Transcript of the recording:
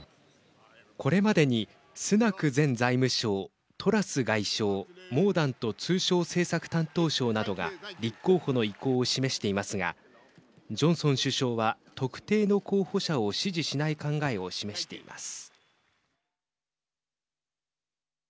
これまでに、スナク前財務相トラス外相モーダント通商政策担当相などが立候補の意向を示していますがジョンソン首相は特定の候補者を支持しない考えを示しています。